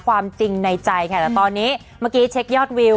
ความจริงในใจค่ะแต่ตอนนี้เมื่อกี้เช็คยอดวิว